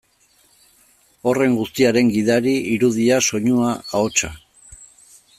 Horren guztiaren gidari, irudia, soinua, ahotsa.